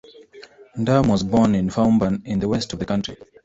Ndam was born in Foumban in the west of the country.